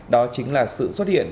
đó chính là sự xuất hiện